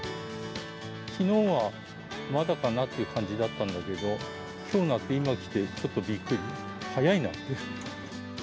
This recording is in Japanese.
きのうは、まだかなっていう感じだったんだけど、きょうになって、今来て、ちょっとびっくり、早いなっていう。